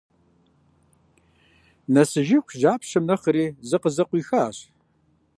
Нэсыжыху жьапщэм нэхъри зыкъызэкъуихащ.